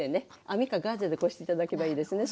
網かガーゼでこして頂けばいいですね。